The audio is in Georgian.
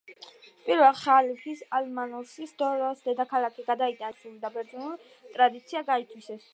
პირველი ხალიფის, ალ-მანსურის დროს, დედაქალაქი გადაიტანეს ბაღდადში და მრავალი სპარსული და ბერძნული ტრადიცია გაითავისეს.